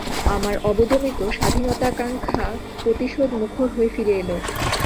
আমার অবদমিত স্বাধীনতা-কাঙ্ক্ষা প্রতিশোধ-মুখর হয়ে ফিরে এলো।